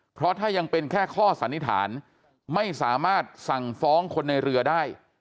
เพราะถ้ายังเป็นแค่ข้อสันนิษฐานไม่สามารถสั่งฟ้องคนในเรือได้